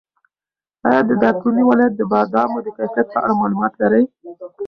ایا د دایکنډي ولایت د بادامو د کیفیت په اړه معلومات لرې؟